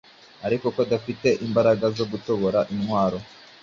ariko ko adafite imbaraga zo gutobora intwaro